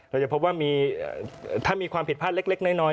เราจะพบว่าถ้ามีความผิดพลาดเล็กน้อย